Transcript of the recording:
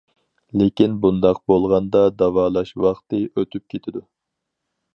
لېكىن بۇنداق بولغاندا داۋالاش ۋاقتى ئۆتۈپ كېتىدۇ.